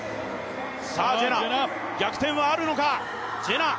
ジェナ、逆転はあるのか。